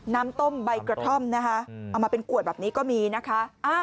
น้ำต้มใบกระท่อมนะคะเอามาเป็นขวดแบบนี้ก็มีนะคะ